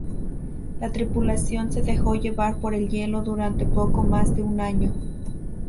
La tripulación se dejó llevar por el hielo durante poco más de un año.